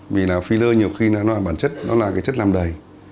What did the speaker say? vì là filler nhiều khi nó là bản chất nó là cái chất làm đầy